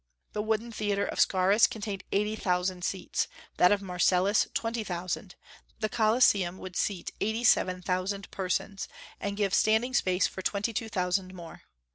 The wooden theatre of Scaurus contained eighty thousand seats; that of Marcellus twenty thousand; the Colosseum would seat eighty seven thousand persons, and give standing space for twenty two thousand more.